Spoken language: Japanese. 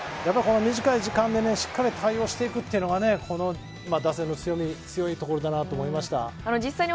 短い時間で対応していくというのが打線の強いところだなと思いました。